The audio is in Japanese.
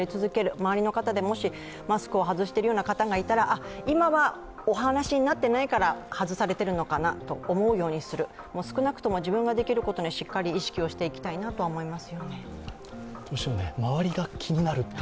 周りの方でもしマスクを外しているような方がいたらあっ、今はお話になってないから、外されてるのかなと思うようにする、少なくとも自分ができることにしっかり意識していきたいと思います。